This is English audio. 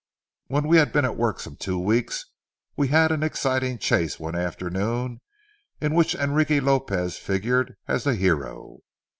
When we had been at work some two weeks, we had an exciting chase one afternoon in which Enrique Lopez figured as the hero.